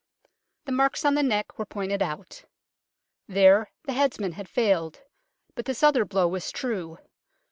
The marks on the neck were pointed out. There the headsman had failed, but this other blow was true.